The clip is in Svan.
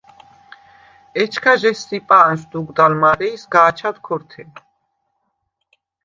ეჩქა ჟესსიპა̄ნ შდუგვდ ალ მა̄რე ი სგა̄ჩად ქორთე.